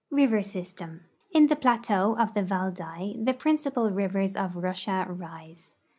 EIVER SYSTEM. In the plateau of the Valdai the principal rivers of Russia rise.